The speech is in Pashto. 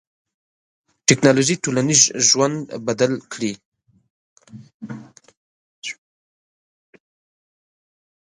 ټکنالوژي ټولنیز ژوند بدل کړی.